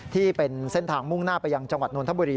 ที่เป็นเส้นทางมุ่งหน้าไปยังจังหวัดนทบุรี